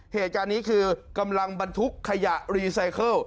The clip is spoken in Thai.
เหตุการณ์นี้คือกำลังบรรทุกขยะรีไซเคิล